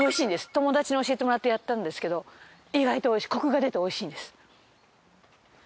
友達に教えてもらってやったんですけど意外とおいしいコクが出ておいしいんです。